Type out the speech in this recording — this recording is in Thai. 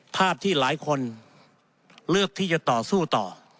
ภาพที่หลายคนเลือกที่จะต่อสู้ต่อ